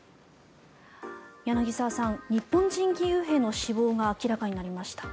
柳澤さん日本人義勇兵の死亡が明らかになりました。